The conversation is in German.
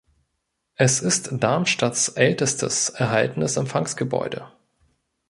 Es ist Darmstadts ältestes erhaltenes Empfangsgebäude.